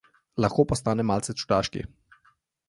Lahko postane malce čudaški.